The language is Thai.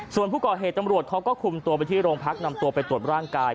ส่วนผู้ก่อเหตุตำรวจเขาก็คุมตัวไปที่โรงพักนำตัวไปตรวจร่างกาย